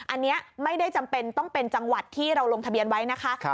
อันนี้ไม่ได้จำเป็นต้องเป็นจังหวัดที่เราลงทะเบียนไว้นะคะ